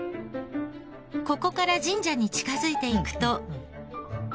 ここから神社に近づいていくと。